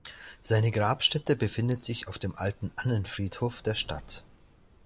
Seine Grabstätte befindet sich auf dem Alten Annenfriedhof der Stadt.